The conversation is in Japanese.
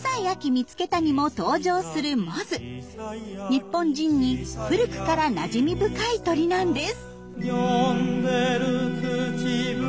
日本人に古くからなじみ深い鳥なんです。